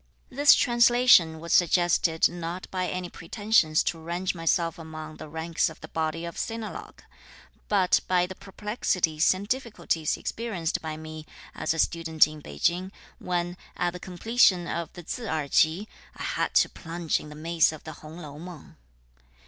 This translation was suggested not by any pretensions to range myself among the ranks of the body of sinologues, but by the perplexities and difficulties experienced by me as a student in Peking, when, at the completion of the Tzu Erh Chi, I had to plunge in the maze of the Hung Lou Meng.